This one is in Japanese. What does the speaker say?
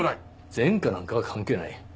前科なんかは関係ない。